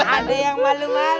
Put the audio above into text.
ada yang malu malu